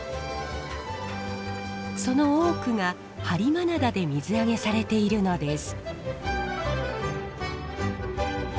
その多くが播磨灘で水揚げされているのです。